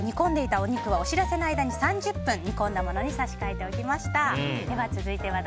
煮込んでいたお肉はお知らせの間に３０分煮込んだものに差し替えておきました。